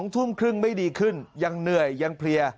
ทุ่มครึ่งไม่ดีขึ้นยังเหนื่อยยังเพลีย